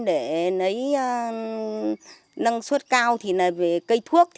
để lấy năng suất cao thì là về cây thuốc